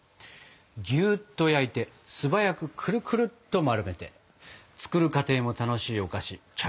ぎゅっと焼いて素早くくるくるっと丸めて作る過程も楽しいお菓子チャルドーニ。